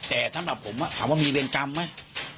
แต่สำหรับผมอ่ะถามว่ามีเวรกรรมไหม